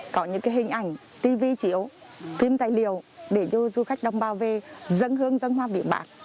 có những cái hình ảnh tivi chỉ ố phim tài liệu để cho du khách đồng bào về dân hương dân hoa biển bạc